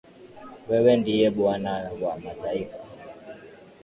Wewe ndiwe bwana wa mataifa.